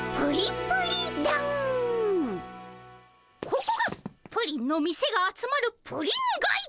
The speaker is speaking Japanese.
ここがプリンの店が集まるプリンがい。